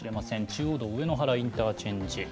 中央道・上野原インターチェンジ。